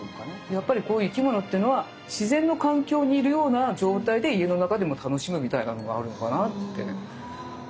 やっぱり生き物っていうのは自然の環境にいるような状態で家の中でも楽しむみたいなのがあるのかなって。